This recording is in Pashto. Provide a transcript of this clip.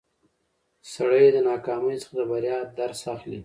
سړی د ناکامۍ څخه د بریا درس اخلي